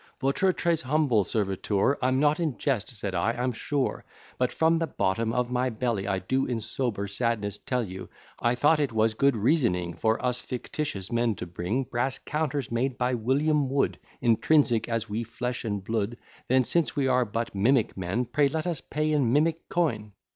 "Votre très humble serviteur, I'm not in jest," said I, "I'm sure, But from the bottom of my belly, I do in sober sadness tell you, I thought it was good reasoning, For us fictitious men to bring Brass counters made by William Wood Intrinsic as we flesh and blood; Then since we are but mimic men, Pray let us pay in mimic coin."